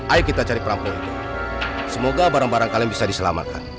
ayo kita cari perampung itu semoga barang barang kalian bisa diselamatkan